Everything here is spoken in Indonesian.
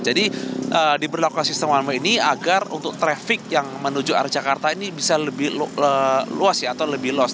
jadi diberlakukan sistem one way ini agar untuk traffic yang menuju arah jakarta ini bisa lebih luas atau lebih lost